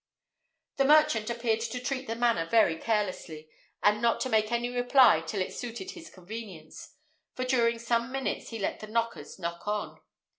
The merchant appeared to treat the matter very carelessly, and not to make any reply till it suited his convenience; for during some minutes he let the knockers knock on.